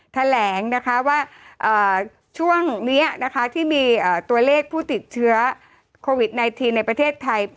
แถลงนะคะว่าช่วงนี้นะคะที่มีตัวเลขผู้ติดเชื้อโควิด๑๙ในประเทศไทย